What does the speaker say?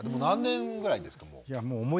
何年ぐらいですかもう。